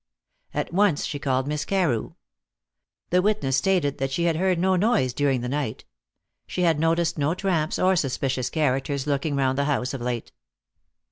At once she called Miss Carew. The witness stated that she had heard no noise during the night. She had noticed no tramps or suspicious characters looking round the house of late.